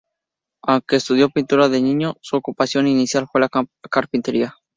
Aunque estudió pintura de niño, su ocupación inicial fue la carpintería.